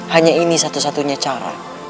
hanya ini satu satunya cara